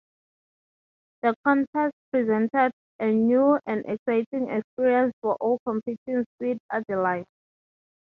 The contest presented a new and exciting experience for all competing Sweet Adelines.